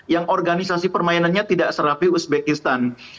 yang organisasi permainannya tidak serapi uzbekistan